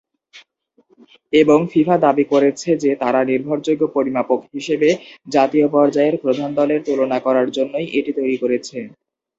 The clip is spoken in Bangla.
এবং ফিফা দাবী করছে যে তারা নির্ভরযোগ্য পরিমাপক হিসেবে জাতীয় পর্যায়ের প্রধান দলের তুলনা করার জন্যই এটি তৈরী করেছে।